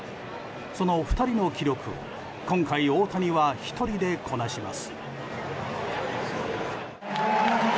その２人の記録を今回、大谷は１人でこなします。